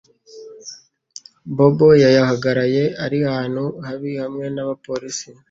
Bob yahoraga ari ahantu habi hamwe nabapolisi.